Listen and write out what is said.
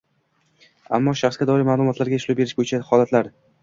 ammo shaxsga doir ma’lumotlarga ishlov berish bo‘yicha holatlar